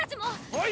はい！